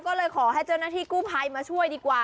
ก็เลยขอให้เจ้าหน้าที่กู้ภัยมาช่วยดีกว่า